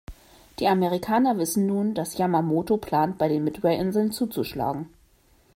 Die Amerikaner wissen nun, dass Yamamoto plant, bei den Midwayinseln zuzuschlagen.